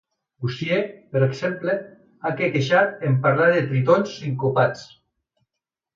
Gussie, per exemple, ha quequejat en parlar de tritons sincopats.